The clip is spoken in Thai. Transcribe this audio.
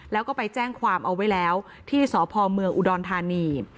แล้วก็ไปแจ้งความเอาไว้แล้วที่สพเมืองอุดรธานี